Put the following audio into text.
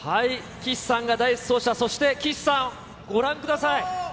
岸さんが第１走者、そして岸さん、ご覧ください。